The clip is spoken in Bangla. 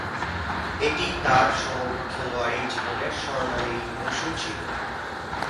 এটিই তার সমগ্র খেলোয়াড়ী জীবনের স্বর্ণালী মৌসুম ছিল।